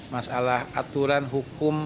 masalah aturan hukum